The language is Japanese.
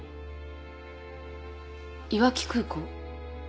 いわき空港。